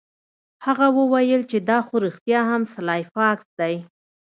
هغه وویل چې دا خو رښتیا هم سلای فاکس دی